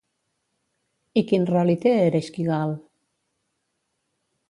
I quin rol hi té Ereshkigal?